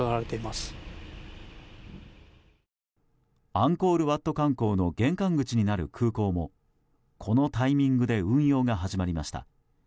アンコールワット観光の玄関口にある空港もこのタイミングで運用が始まりました。